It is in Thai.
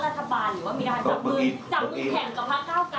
หรือว่ามีราคาจับมือจับมือแข่งกับภาคก้าวไก่ไหม